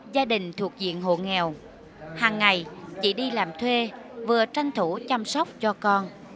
gia đình thuộc diện hộ nghèo hàng ngày chị đi làm thuê vừa tranh thủ chăm sóc cho con